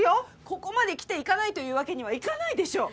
ここまできて行かないというわけにはいかないでしょう！